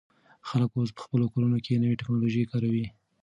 خلک اوس په خپلو کورونو کې نوې ټیکنالوژي کاروي.